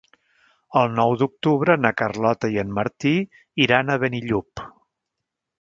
El nou d'octubre na Carlota i en Martí iran a Benillup.